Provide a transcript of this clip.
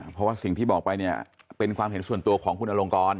เพราะว่าสิ่งที่บอกไปเนี่ยเป็นความเห็นส่วนตัวของคุณอลงกร